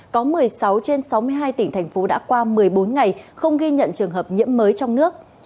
có một mươi sáu trên sáu mươi hai tỉnh thành phố đã qua một mươi bốn ngày không ghi nhận trường hợp nhiễm mới trong nước